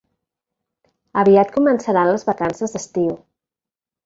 Aviat començaran les vacances d'estiu.